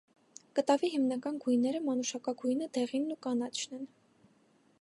Կտավի հիմնական գույները մանուշակագույնը, դեղինն ու կանաչն են։